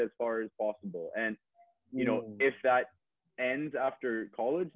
dan kalau itu berakhir setelah sekolah